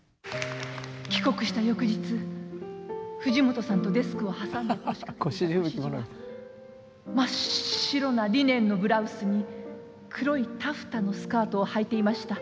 帰国した翌日藤本さんとデスクを挟んで腰掛けていた越路は真っ白なリネンのブラウスに黒いタフタのスカートをはいていました。